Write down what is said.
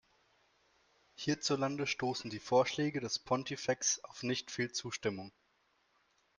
Hierzulande stoßen die Vorschläge des Pontifex auf nicht viel Zustimmung.